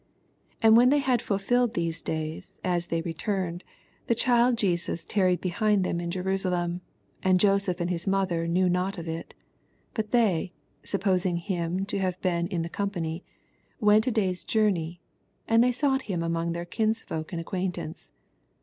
48 And when they had fulfilled the days, as they returned, the child Jesus tarried behind in Jerusalem ; and Joseph and his mother knew not 44 But they, supposing him to have been in the company, went a day's journey ; and thev sought him among Ihdr kmsfolk ana aoquaintance.